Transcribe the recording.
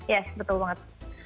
ya betul banget